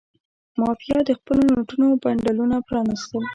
مافیا د خپلو نوټونو بنډلونه پرانستل.